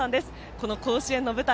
この甲子園の舞台